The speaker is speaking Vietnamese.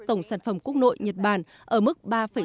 tổng sản phẩm quốc nội nhật bản ở mức ba chín